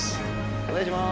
お願いします。